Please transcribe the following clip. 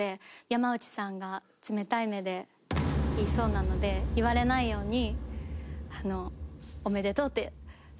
山内さんが冷たい目で言いそうなので言われないように。